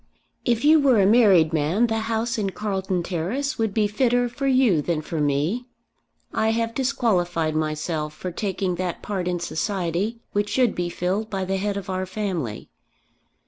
"If you were a married man the house in Carlton Terrace would be fitter for you than for me. I have disqualified myself for taking that part in society which should be filled by the head of our family.